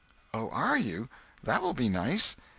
"Oh, are you! That will be nice.